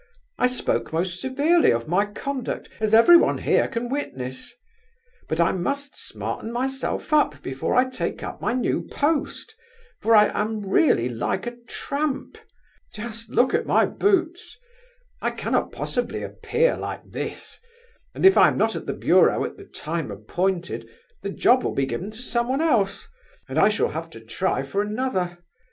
I spoke most severely of my conduct, as everyone here can witness. But I must smarten myself up before I take up my new post, for I am really like a tramp. Just look at my boots! I cannot possibly appear like this, and if I am not at the bureau at the time appointed, the job will be given to someone else; and I shall have to try for another.